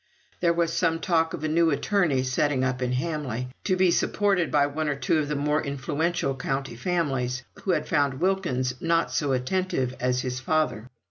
There was some talk of a new attorney setting up in Hamley, to be supported by one or two of the more influential county families, who had found Wilkins not so attentive as his father.